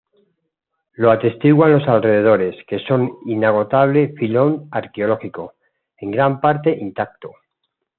Lo atestiguan los alrededores, que son un inagotable filón arqueológico, en gran parte intacto.